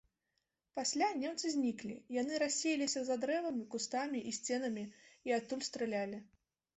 Пасля немцы зніклі, яны рассеяліся за дрэвамі, кустамі і сценамі і адтуль стралялі.